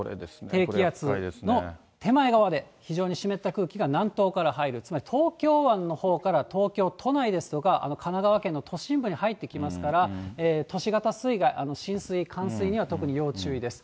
低気圧の手前側で、非常に湿った空気が南東から入る、つまり、東京湾のほうから、東京都内ですとか、神奈川県の都心部に入ってきますから、都市型水害、浸水、冠水には特に要注意です。